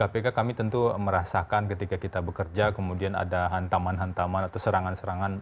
kpk kami tentu merasakan ketika kita bekerja kemudian ada hantaman hantaman atau serangan serangan